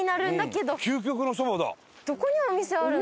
どこにお店あるの？